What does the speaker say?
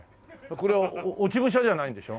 これは落ち武者じゃないんでしょ？